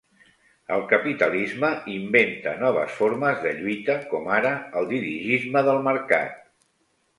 El capitalisme inventa noves formes de lluita com ara el dirigisme del mercat.